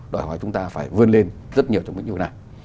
đòi hỏi chúng ta phải vươn lên rất nhiều trong những vấn đề này